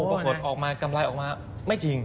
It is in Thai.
โอ้โหปรากฏกำไรออกมาไม่จริง